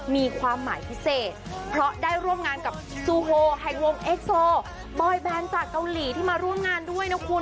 มีความหมายพิเศษเพราะได้ร่วมงานกับซูโฮแห่งวงเอ็กโซบอยแบนจากเกาหลีที่มาร่วมงานด้วยนะคุณ